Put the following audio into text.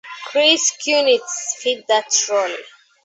Chris Kunitz fit that role.